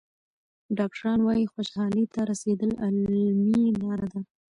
ډاکټران وايي خوشحالۍ ته رسېدل علمي لاره لري.